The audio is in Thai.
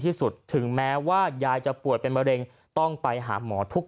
ที่สุดถึงแม้ว่ายายจะป่วยเป็นมะเร็งต้องไปหาหมอทุก